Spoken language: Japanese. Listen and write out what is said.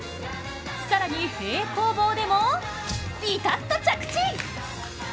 更に平行棒でもビタッと着地。